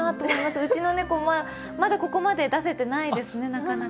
うちの猫、まだここまで出せてないですね、なかなか。